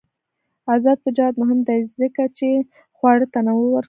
آزاد تجارت مهم دی ځکه چې خواړه تنوع ورکوي.